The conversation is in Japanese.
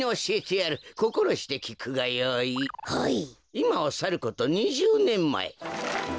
いまをさること２０ねんまえ